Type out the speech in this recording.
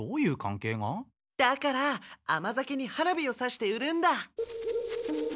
だから甘酒に花火をさして売るんだ！